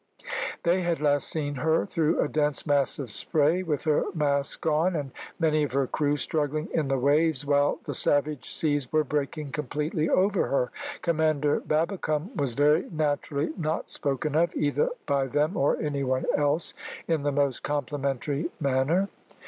They had last seen her through a dense mass of spray, with her masts gone, and many of her crew struggling in the waves, while the savage seas were breaking completely over her. Commander Babbicome was very naturally not spoken of, either by them or any one else, in the most complimentary manner.